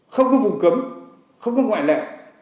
không có vùng cấm không có ngoại lệ